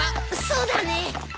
そうだね。